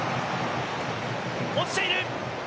落ちている。